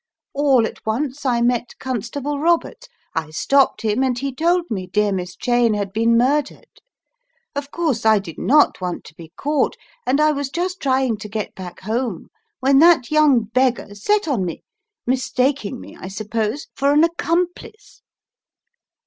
All at once I met Constable Roberts. I stopped him and he told me dear Miss Cheyne had been murdered. Of course I did not want to be caught, and I was just trying to get back home when that young beggar set on me, mistaking me, I suppose, for an accomplice."